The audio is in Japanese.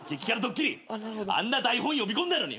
あんな台本読み込んだのに！